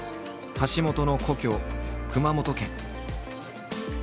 橋本の故郷熊本県。